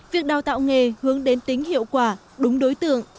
việc đào tạo nghề hướng đến tính hiệu quả đúng đối tượng